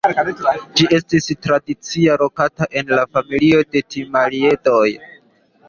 Ĝi estis tradicie lokata en la familio de Timaliedoj.